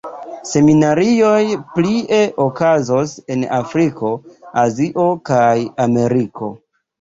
Seminarioj plie okazos en Afriko, Azio kaj Ameriko.